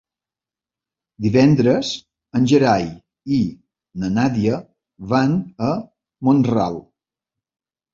Divendres en Gerai i na Nàdia van a Mont-ral.